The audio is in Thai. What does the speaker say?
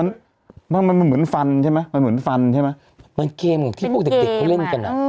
เดินอยู่อะเห็นมั้ยมันมันเหมือนฟันใช่มั้ยมันเหมือนฟันใช่มั้ยมันเกมที่พวกเด็กเล่นกันอ่ะ